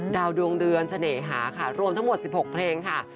ดวงเดือนเสน่หาค่ะรวมทั้งหมด๑๖เพลงค่ะ